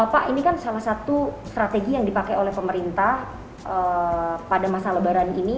pak ini kan salah satu strategi yang dipakai oleh pemerintah pada masa lebaran ini